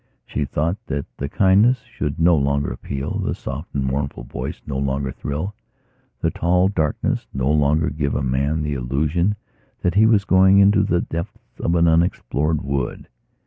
She thought that the kindness should no longer appeal, the soft and mournful voice no longer thrill, the tall darkness no longer give a man the illusion that he was going into the depths of an unexplored wood.